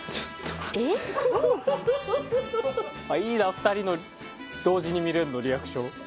いいな２人の同時に見れるのリアクション。